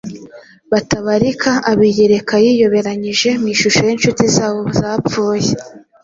batabarika abiyereka yiyoberanyije mu ishusho y’incuti zabo zapfuye.